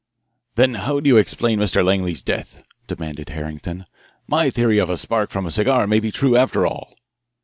"Then how do you explain Mr. Langley's death?" demanded Harrington. "My theory of a spark from a cigar may be true, after all."